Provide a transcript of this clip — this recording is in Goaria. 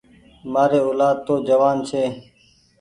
مآري اولآد تو جوآن ڇي۔